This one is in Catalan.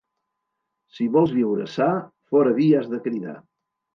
Si vols viure sa, fora vi has de cridar.